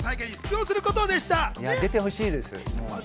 出てほしいです。